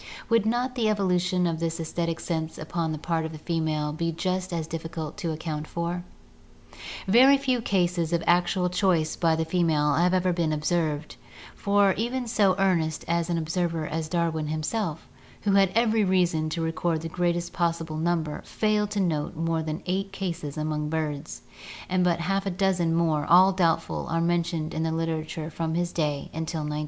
Would not the evolu tion of this aesthetic sense upon the part of the female be just as difficult to account for? Very few cases of actual choice by the female have ever been observed, for even so earnest an observer as Darwin himself, who had every reason to record the greatest possible number, failed to note more than eight cases among birds, and but half a dozen more, all doubtful, are mentioned in the literature from his day until 1907.